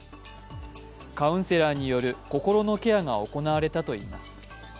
カウンセラーによる心のケアが行われたといいます。